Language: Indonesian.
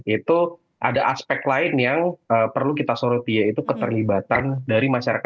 itu ada aspek lain yang perlu kita soroti yaitu keterlibatan dari masyarakat